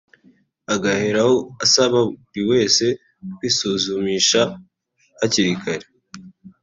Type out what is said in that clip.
agaheraho asaba buri wese kwisuzumisha hakiri kare